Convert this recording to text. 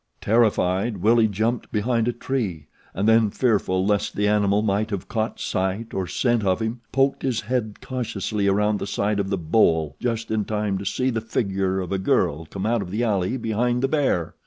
Terrified, Willie jumped behind a tree; and then, fearful lest the animal might have caught sight or scent of him he poked his head cautiously around the side of the bole just in time to see the figure of a girl come out of the alley behind the bear.